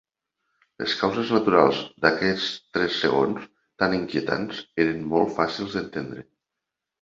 Les causes naturals d'aquests tres segons tan inquietants eren molt fàcils d'entendre.